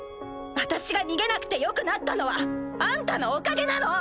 私が逃げなくてよくなったのはあんたのおかげなの！